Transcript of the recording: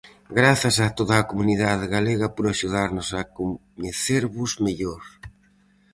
Grazas a toda a comunidade galega por axudarnos a coñecervos mellor.